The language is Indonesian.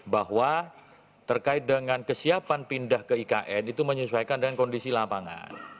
bahwa terkait dengan kesiapan pindah ke ikn itu menyesuaikan dengan kondisi lapangan